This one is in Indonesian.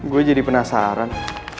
gue jadi penasaran